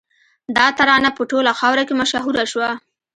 دا ترانه په ټوله خاوره کې مشهوره شوه